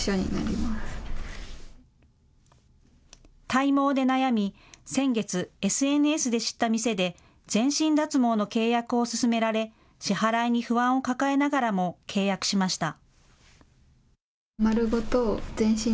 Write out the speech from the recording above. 体毛で悩み、先月、ＳＮＳで知った店で全身脱毛の契約を勧められ支払いに不安を抱えながらも契約しました。